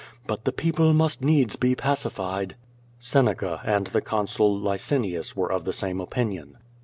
But the people must needs be pacified." Seneca and the consul Licinius were of the same opinion.